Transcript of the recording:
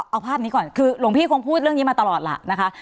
เอาภาพนี้ก่อนคือหลวงพี่คงพูดเรื่องนี้มาตลอดล่ะนะคะ